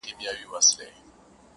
لپی لپی یې لا ورکړل غیرانونه!